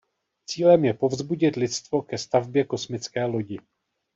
Cílem je povzbudit lidstvo ke stavbě kosmické lodi.